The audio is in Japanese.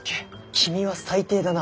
君は最低だな。